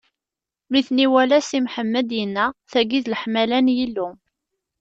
Mi ten-iwala, Si Mḥemmed inna: Tagi d leḥmala n Yillu!